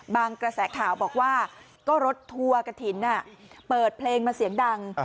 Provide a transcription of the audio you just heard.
กระแสข่าวบอกว่าก็รถทัวร์กระถิ่นเปิดเพลงมาเสียงดัง